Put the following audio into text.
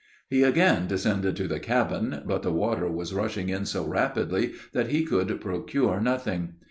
He again descended to the cabin, but the water was rushing in so rapidly that he could procure nothing.